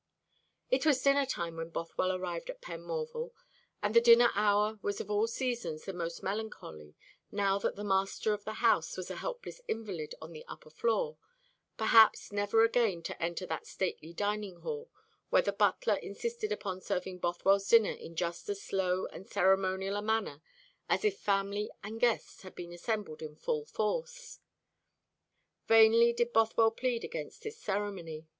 It was dinner time when Bothwell arrived at Penmorval, and the dinner hour was of all seasons the most melancholy, now that the master of the house was a helpless invalid on the upper floor, perhaps never again to enter that stately dining hall, where the butler insisted upon serving Bothwell's dinner in just as slow and ceremonial a manner as if family and guests had been assembled in full force. Vainly did Bothwell plead against this ceremony.